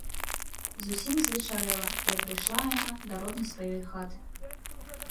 Зусім звечарэла, як дайшла яна да роднай сваёй хаты.